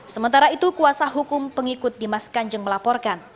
sementara itu kuasa hukum pengikut dimas kanjeng melaporkan